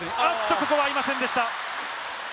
ここは合いませんでした。